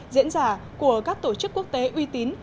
diễn giả của các tổ chức quốc tế uy tín